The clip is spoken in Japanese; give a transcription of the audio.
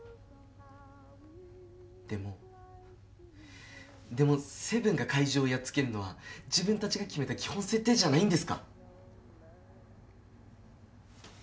でもでもセブンが怪獣をやっつけるのは自分たちが決めた基本設定じゃないんですか？